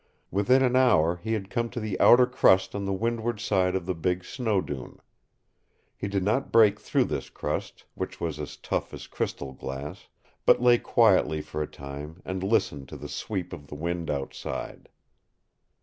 Within an hour he had come to the outer crust on the windward side of the big snow dune. He did not break through this crust, which was as tough as crystal glass, but lay quietly for a time and listened to the sweep of the wind outside.